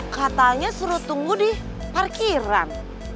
katanya suruh tunggu di parkiran